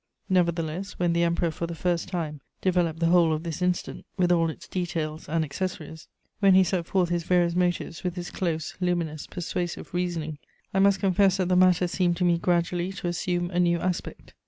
Nevertheless, when the Emperor for the first time developed the whole of this incident, with all its details and accessories; when he set forth his various motives with his close, luminous, persuasive reasoning, I must confess that the matter seemed to me gradually to assume a new aspect....